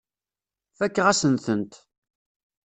Fakeɣ-asen-tent.